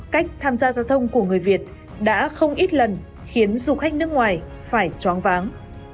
cách tham gia giao thông của người việt đã không ít lần khiến du khách nước ngoài phải choáng váng